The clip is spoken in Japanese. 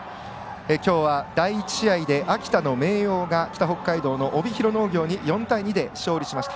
きょうは、第１試合で秋田の明桜が北北海道の帯広農業に４対２で勝利しました。